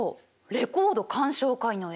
レコード鑑賞会の絵。